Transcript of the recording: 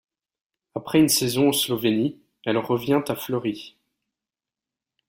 Après une saison en Slovénie, elle revient à Fleury.